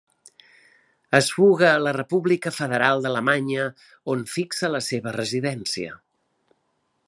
Es fuga a la República Federal d'Alemanya on fixa la seva residència.